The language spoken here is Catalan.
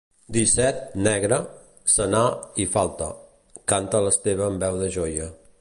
Disset, negre, senar i falta —canta l'Esteve amb veu de joia.